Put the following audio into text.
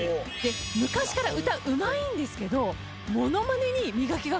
昔から歌うまいんですけど。